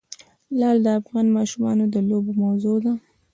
لعل د افغان ماشومانو د لوبو موضوع ده.